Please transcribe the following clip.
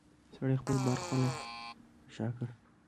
سړي خپل بار پخپله په شا کړ.